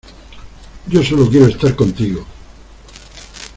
yo solo quiero estar contigo.